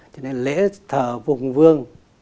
cho nên lễ thờ vua hùng vương